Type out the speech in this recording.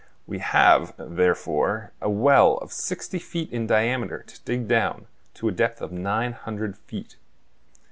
We have, therefore, a well of sixty feet in diameter to dig down to a depth of nine hundred feet.